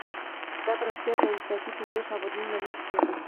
دا پراختیا د ولسواکۍ ټینګښت او بدلون لامل شي.